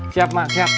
siap mah siap